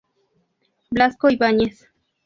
Blasco Ibañez.